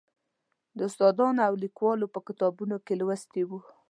د استادانو او لیکوالو په کتابونو کې لوستی و.